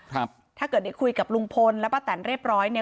ถ้าเกิดได้คุยกับลุงพลและป้าแตนเรียบร้อยเนี่ย